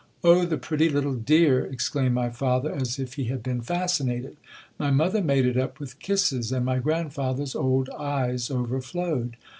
O the pretty little dear ! exclaimed my father, as if he had been fascinated. My mother made it up with kisses, and my grandfather's old eyes overflowed.